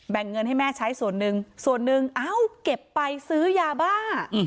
เงินให้แม่ใช้ส่วนหนึ่งส่วนหนึ่งเอ้าเก็บไปซื้อยาบ้า